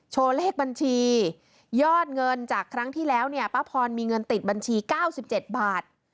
โชว์เลขบัญชียอดเงินจากครั้งที่แล้วเนี่ยป้าพรมีเงินติดบัญชี๙๗บาท